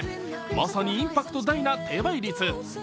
まさにインパクト大な低倍率。